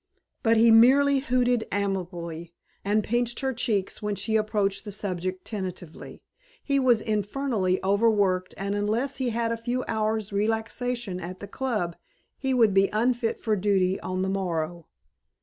But he merely hooted amiably and pinched her cheeks when she approached the subject tentatively. He was infernally over worked and unless he had a few hours' relaxation at the Club he would be unfit for duty on the morrow.